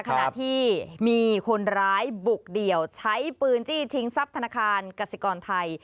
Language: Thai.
ขณะที่มีคนร้ายบุกเดี่ยวใช้ปืนจี้ชิงทรัพย์ธนาคารกสิกรไทย